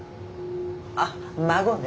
あっ孫ね。